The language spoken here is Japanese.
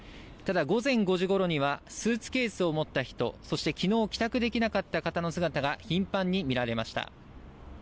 ただ、午前５時ごろには、スーツケースを持った人、そしてきのう、帰宅できなかった人の姿が頻繁に見られました。